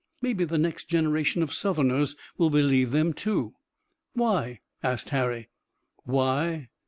Maybe the next generation of Southerners will believe them too." "Why?" asked Harry. "Why?